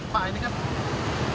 pak ini kan